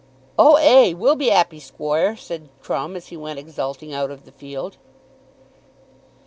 "Oh, ay, we'll be 'appy, squoire," said Crumb as he went exulting out of the field.